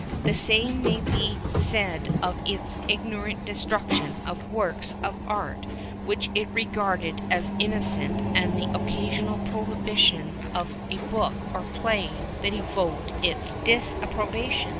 The same may be said of its ignorant destruction of works of art which it regarded as indecent and the occasional prohibition of a book or play that evoked its disapprobation.